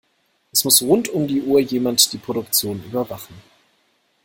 Es muss rund um die Uhr jemand die Produktion überwachen.